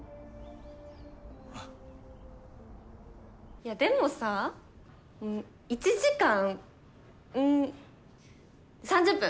いやでもさ１時間３０分！